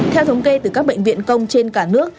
theo thống kê từ các bệnh viện công trên cả nước